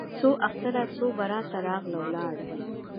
څو اختره څو براته راغله ولاړه